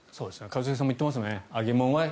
一茂さんも言ってますもんね。